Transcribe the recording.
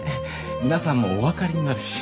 皆さんもお分かりになるし。